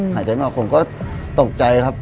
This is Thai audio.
หายใจไม่ออกผมก็ตกใจครับ